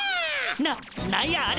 な何やあれ！？